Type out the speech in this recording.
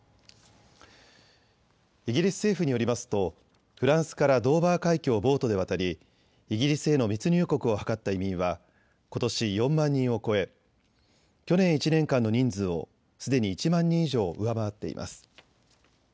イギリス政府によりますとフランスからドーバー海峡をボートで渡りイギリスへの密入国を図った移民はことし４万人を超え去年１年間の人数をすでに１万人以上、上回っています。